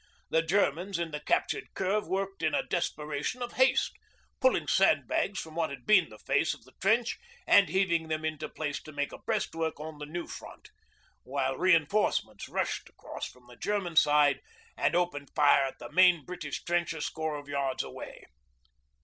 The Germans in the captured curve worked in a desperation of haste, pulling sandbags from what had been the face of the trench and heaving them into place to make a breastwork on the new front, while reinforcements rushed across from the German side and opened fire at the main British trench a score of yards away.